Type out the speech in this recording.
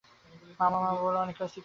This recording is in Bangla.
মামা মামা করে আমাকে অস্থির করে রাখবে।